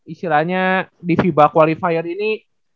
istilahnya di fiba qualifier ini